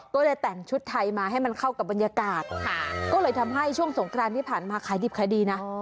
ก็เลยแต่งชุดไทยมาให้มันเข้ากับบรรยากาศก็เลยทำให้ช่วงสงครานที่ผ่านมาขายดิบขายดีนะ